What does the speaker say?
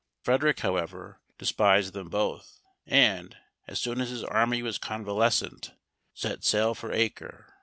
Frederic, however, despised them both, and, as soon as his army was convalescent, set sail for Acre.